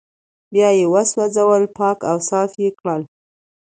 بيا يې وسوځول پاک او صاف يې کړل